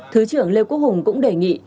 thứ trưởng lê quốc hùng cũng đề nghị